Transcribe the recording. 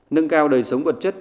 nâng cao đời sống vật chất